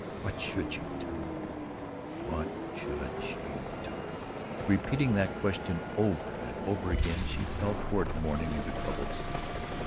Ah, what should she do what should she do? Repeating that question over and over again, she fell toward morning into troubled sleep.